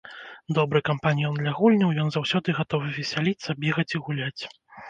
Добры кампаньён для гульняў, ён заўсёды гатовы весяліцца, бегаць і гуляць.